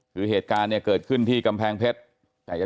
คือเหตุการณ์เนี่ยเกิดขึ้นที่กำแพงเพชรแต่จะ